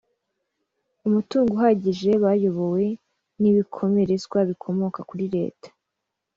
umutungo uhagije bayobowe n ibikomerezwa bikomoka kuri leta